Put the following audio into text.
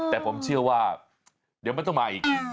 แต่ผมเชื่อว่าเดี๋ยวมันต้องมาอีก